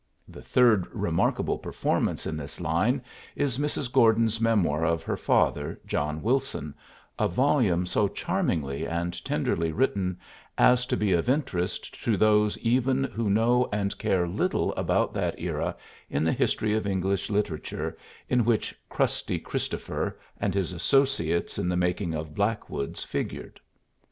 The third remarkable performance in this line is Mrs. Gordon's memoir of her father, John Wilson, a volume so charmingly and tenderly written as to be of interest to those even who know and care little about that era in the history of English literature in which "crusty Christopher" and his associates in the making of "Blackwood's" figured.